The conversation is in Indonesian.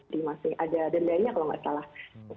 di masjid ada dendainya kalau nggak salah